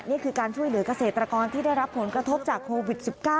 นี่คือการช่วยเหลือกเกษตรกรที่ได้รับผลกระทบจากโควิด๑๙